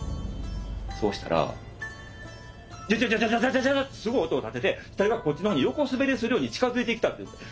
そしたらジャジャジャジャジャジャってすごい音を立てて死体がこっちの方に横滑りするように近づいてきたんです。